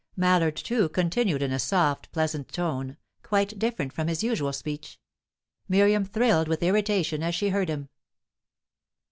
Mallard, too, continued in a soft, pleasant tone, quite different from his usual speech; Miriam thrilled with irritation as she heard him.